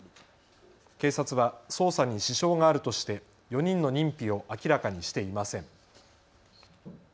警察は捜査に支障があるとして４人の認否を明らかにしていません。